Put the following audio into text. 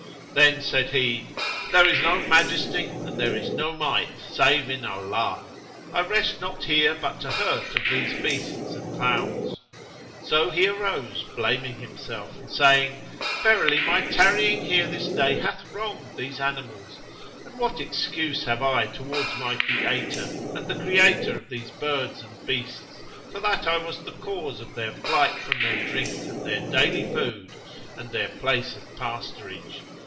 Then said he, "There is no Majesty and there is no Might save in Allah! I rest not here but to the hurt of these beasts and fowls." So he arose, blaming him self and saying, "Verily my tarrying here this day hath wronged these animals, and what excuse have I towards my Creator and the Creator of these birds and beasts for that I was the cause of their flight from their drink and their daily food and their place of pasturage?